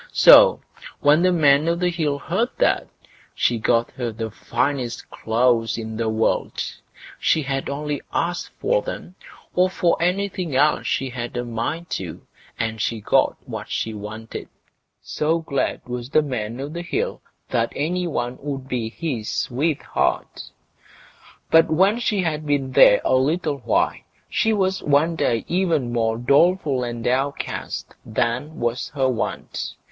So, when the Man o' the Hill heard that, he got her the finest clothes in the world; she had only to ask for them, or for anything else she had a mind to, and she got what she wanted, so glad was the Man o' the Hill that any one would be his sweetheart. But when she had been there a little while, she was one day even more doleful and downcast than was her wont.